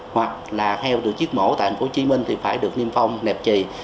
hoặc là heo được giếp mổ tại tp hcm phải được niêm phong nẹp trì